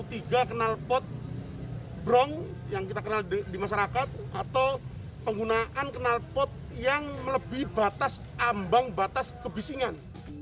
ketiga kenalpot bronc yang kita kenal di masyarakat atau penggunaan kenalpot yang melebih batas ambang batas kebisingan